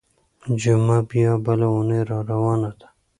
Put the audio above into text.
جمعه بيا بله اونۍ راروانه ده.